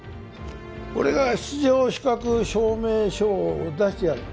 俺が出場資格証明書を出してやる。